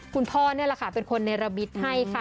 คุณพ่อนี่แหละค่ะเป็นคนเนรมิตให้ค่ะ